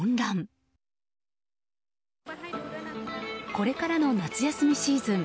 これからの夏休みシーズン